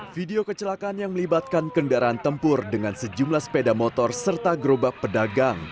video kecelakaan yang melibatkan kendaraan tempur dengan sejumlah sepeda motor serta gerobak pedagang